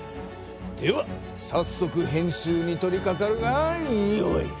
ではさっそく編集に取りかかるがよい！